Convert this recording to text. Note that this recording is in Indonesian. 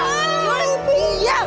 lo lebih yap